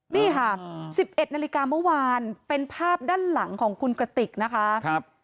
นี่ค่ะ๑๑นาฬิกาเมื่อวานเป็นภาพด้านหลังของคุณกระติกนะคะ